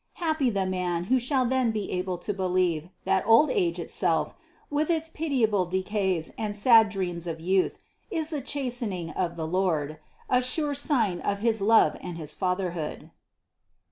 Happy the man who shall then be able to believe that old age itself, with its pitiable decays and sad dreams of youth, is the chastening of the Lord, a sure sign of his love and his fatherhood."